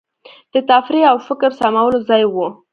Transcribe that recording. د تفریح او فکر سمولو ځای وو.